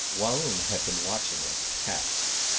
Waung had been watching like a cat.